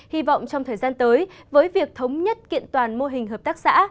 hy vọng trong thời gian tới với việc thống nhất kiện toàn mô hình hợp tác xã